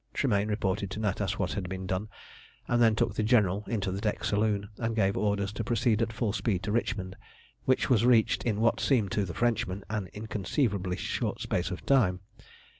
Tremayne reported to Natas what had been done, and then took the General into the deck saloon, and gave orders to proceed at full speed to Richmond, which was reached in what seemed to the Frenchman an inconceivably short space of time.